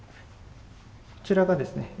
こちらがですね